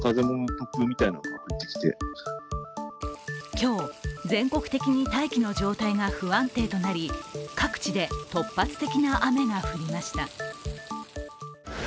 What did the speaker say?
今日、全国的に大気の状態が不安定となり、各地で突発的な雨が降りました。